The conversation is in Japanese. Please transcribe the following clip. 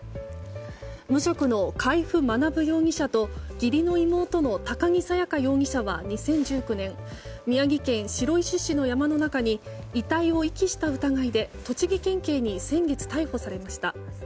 無職の海部学容疑者と義理の妹の高木紗耶花容疑者は２０１９年宮城県白石市の山の中に遺体を遺棄した疑いで栃木県警に先月、逮捕されました。